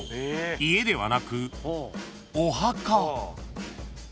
家ではなくお墓］